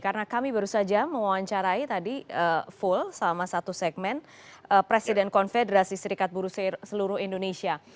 karena kami baru saja mewawancarai tadi full sama satu segmen presiden konfederasi serikat buru seluruh indonesia